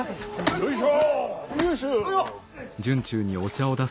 よいしょ！